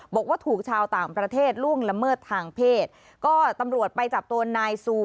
บอกว่าถูกชาวต่างประเทศล่วงละเมิดทางเพศก็ตำรวจไปจับตัวนายซู